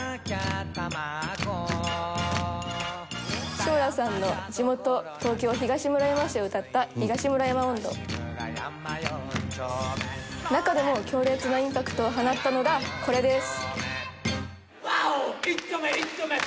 「志村さんの地元東京東村山市を歌った『東村山音頭』」「中でも強烈なインパクトを放ったのがこれです」